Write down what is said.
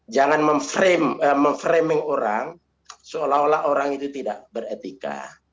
jangan memframing orang seolah olah orang itu tidak beretika